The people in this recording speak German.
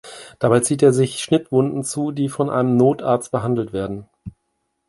Dabei zieht er sich Schnittwunden zu, die von einem Notarzt behandelt werden.